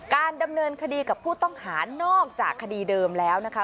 การดำเนินคดีกับผู้ต้องหานอกจากคดีเดิมแล้วนะคะ